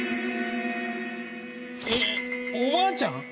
えっおばあちゃん！？